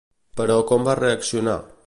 Però com va reaccionar?